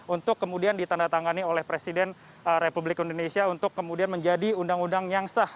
untuk kemudian ditandatangani oleh presiden republik indonesia untuk kemudian menjadi undang undang yang sah